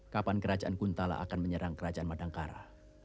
kapan kerajaan guntala akan menyerang kerajaan madangkara